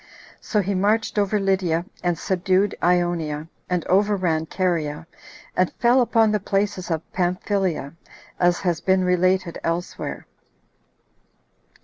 So he marched over Lydia, and subdued Ionia, and overran Caria, and fell upon the places of Pamphylia, as has been related elsewhere.